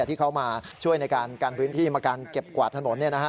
ที่เขามาช่วยในการกันพื้นที่มาการเก็บกวาดถนน